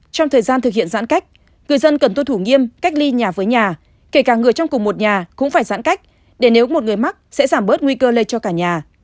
trong thời gian thực hiện giãn cách người dân cần tuân thủ nghiêm cách ly nhà với nhà kể cả người trong cùng một nhà cũng phải giãn cách để nếu một người mắc sẽ giảm bớt nguy cơ lây cho cả nhà